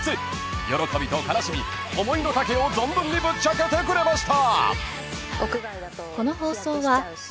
［喜びと悲しみ思いの丈を存分にぶっちゃけてくれました］